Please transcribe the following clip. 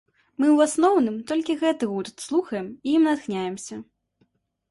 Мы ў асноўным толькі гэты гурт слухаем і ім натхняемся.